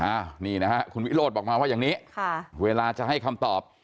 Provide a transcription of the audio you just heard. อ้าวนี่นะฮะคุณวิโรธบอกมาว่าอย่างนี้ค่ะเวลาจะให้คำตอบ